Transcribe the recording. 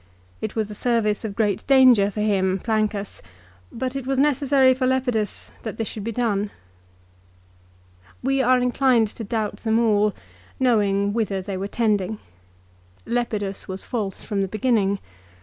It was a service of great danger for him, Plancus, but it was necessary for Lepidus that this should be done. We are inclined to doubt them all, knowing whither they were tending. Lepidus was false from the beginning.